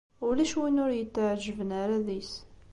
Ulac win ur yetɛejjben ara deg-s.